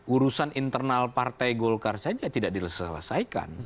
urusan internal partai golkar saja tidak diselesaikan